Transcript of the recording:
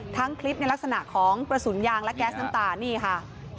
ทั้งคลิปในลักษณะของกระสุนยางและแก๊สน้ำตานี่ค่ะ